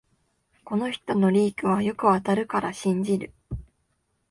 この人のリークはよく当たるから信じる